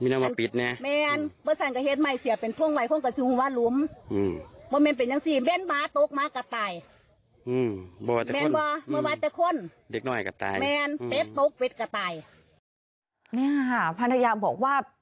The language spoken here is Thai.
นี่ค่ะภรรยาบอกว่า